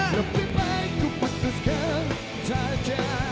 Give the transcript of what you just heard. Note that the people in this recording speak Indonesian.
lebih baik ku putuskan saja